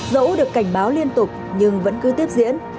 dẫu được cảnh báo liên tục nhưng vẫn cứ tiếp diễn